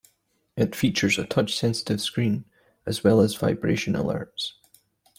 It features a touch sensitive screen as well as vibration alerts.